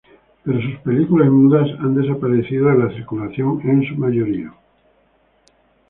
Pero sus películas mudas han desaparecido de la circulación en su mayoría.